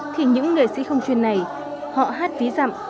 thì những nghệ sĩ không chuyên này họ hát ví dặm